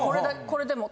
これでも。